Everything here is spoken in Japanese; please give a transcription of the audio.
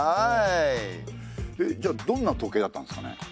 じゃあどんな時計だったんですかね？